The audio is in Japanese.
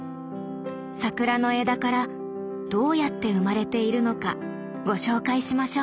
桜の枝からどうやって生まれているのかご紹介しましょう。